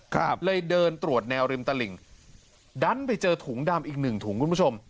ครับเลยเดินตรวจแนวริมตลิ่งดันไปเจอถุงดำอีกหนึ่งถุงคุณผู้ชม